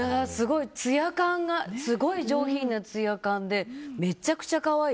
つや感がすごい上品なつや感でめちゃくちゃ可愛い。